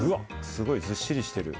すごいずっしりしてる。